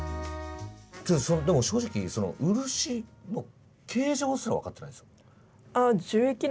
正直漆の形状すら分かってないです。